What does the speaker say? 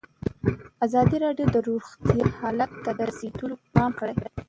ازادي راډیو د روغتیا حالت ته رسېدلي پام کړی.